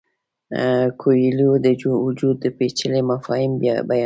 کویلیو د وجود پیچلي مفاهیم بیانوي.